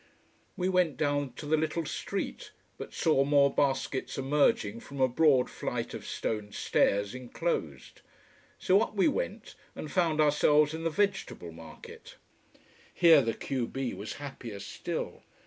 We went down to the little street but saw more baskets emerging from a broad flight of stone stairs, enclosed. So up we went and found ourselves in the vegetable market. Here the q b was happier still.